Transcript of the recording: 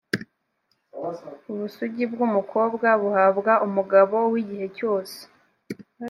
ubusugi bwumukobwa buhabwa umugabo wigihe cyose,